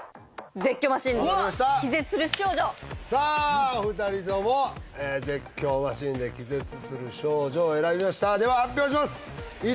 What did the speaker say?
絶叫マシンで気絶する少女さあお二人とも絶叫マシンで気絶する少女を選びましたでは発表します